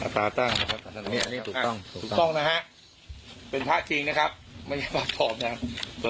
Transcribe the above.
ตราตั้งนะครับถูกต้องนะฮะเป็นพระจริงนะครับไม่ใช่พระศพนะครับ